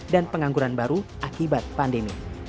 dan pengangguran baru akibat pandemi